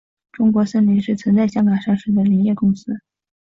中国森林是曾在香港上市的林业公司。